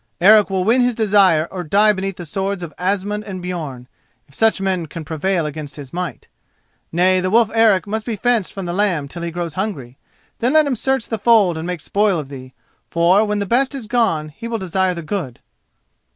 Eric will win his desire or die beneath the swords of Asmund and Björn, if such men can prevail against his might. Nay, the wolf Eric must be fenced from the lamb till he grows hungry. Then let him search the fold and make spoil of thee, for, when the best is gone, he will desire the good."